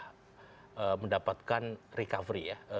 kita mendapatkan recovery ya